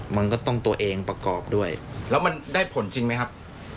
มันก็ต้องตัวเองประกอบด้วยแล้วมันได้ผลจริงไหมครับ